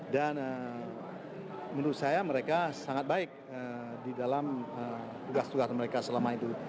dan menurut saya mereka sangat baik di dalam tugas tugas mereka selama itu